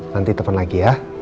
nanti temen lagi ya